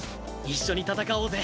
一緒に戦おうぜ。